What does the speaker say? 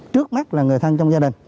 trước mắt là người thân trong gia đình